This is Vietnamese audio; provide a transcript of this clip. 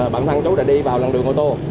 bản thân chú đã đi vào lòng đường ô tô